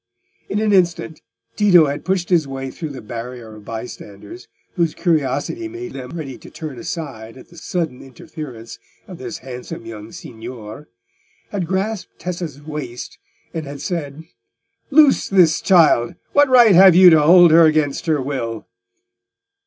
In an instant Tito had pushed his way through the barrier of bystanders, whose curiosity made them ready to turn aside at the sudden interference of this handsome young signor, had grasped Tessa's waist, and had said, "Loose this child! What right have you to hold her against her will?"